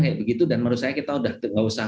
kayak begitu dan menurut saya kita sudah tidak usah